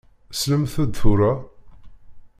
Slemt-d tura!